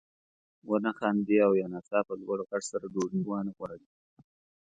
ونه خاندي او یا ناڅاپه لوړ غږ سره ډوډۍ وانه غواړي.